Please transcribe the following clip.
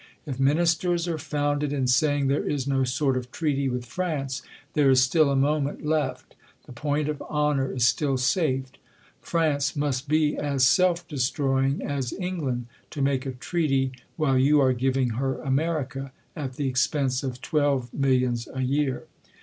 If ministers are founded in saying there is no sort of treaty with France, there is still a moment left ; the point of honor is still safe. France must be as self destroying as England, to make a treaty while you arc giving her America, at the ex pense of twelve millions a year.